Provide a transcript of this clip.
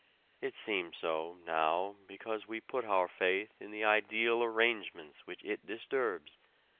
It seems so now because we put our faith in the ideal arrangements which it disturbs.